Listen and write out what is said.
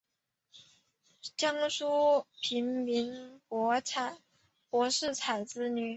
江苏平民柏士彩之女。